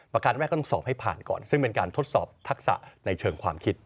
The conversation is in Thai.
การแรกก็ต้องสอบให้ผ่านก่อนซึ่งเป็นการทดสอบทักษะในเชิงความคิด